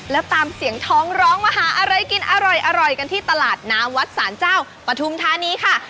แล้วตามเสียงท้องร้องมาหาอะไรกินอร่อยกันที่ตลาดน้ำวัดศาลเจ้าปฐุมธานีค่ะ